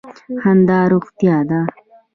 خندا روغتیا ده.